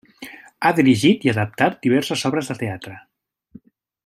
Ha dirigit i adaptat diverses obres de teatre.